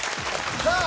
さあ